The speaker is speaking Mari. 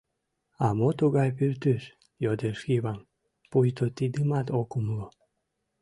— А мо тугай пӱртӱс? — йодеш Йыван, пуйто тидымат ок умыло.